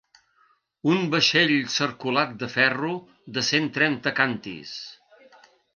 Un vaixell cercolat de ferro de cent trenta càntirs.